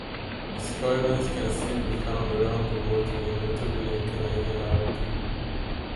Skyvans can still be found around the world today, notably in the Canadian Arctic.